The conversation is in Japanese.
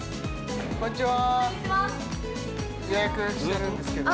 こんにちは。